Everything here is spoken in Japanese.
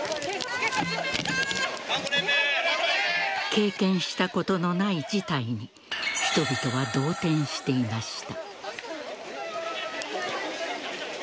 経験したことのない事態に人々は動転していました。